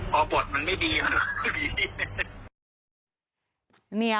พอบทมันไม่ดี